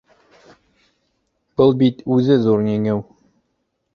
Был бит үҙе ҙур еңеү